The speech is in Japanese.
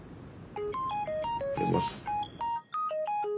出ます。